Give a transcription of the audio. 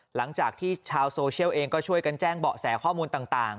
หลังจากที่ชาวโซเชียลเองก็ช่วยกันแจ้งเบาะแสข้อมูลต่าง